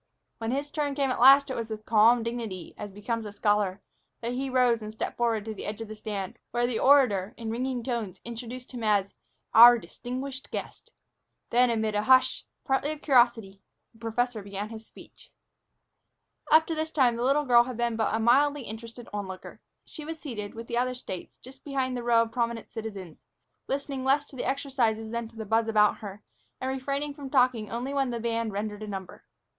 When his turn came at last, it was with calm dignity, as becomes a scholar, that he rose and stepped forward to the edge of the stand, where the orator, in ringing tones, introduced him as "our distinguished guest." Then, amid a hush, partly of curiosity, the professor began his speech. Up to this time the little girl had been but a mildly interested onlooker. She was seated, with the other States, just behind the row of prominent citizens, listening less to the exercises than to the buzz about her, and refraining from talking only when the band rendered a number.